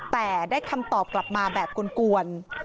แต่ได้คำตอบกลับมาแบบกลวน